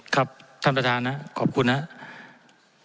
ครับท่านประธานนะขอบคุณนะครับ